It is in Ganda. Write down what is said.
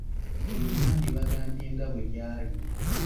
Byonna mbibagambye nga bwe byali.